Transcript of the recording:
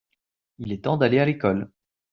il est temps d'aller à l'école.